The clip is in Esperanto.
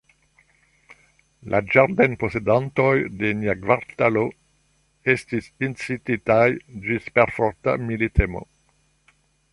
La ĝardenposedantoj de nia kvartalo estis incititaj ĝis perforta militemo.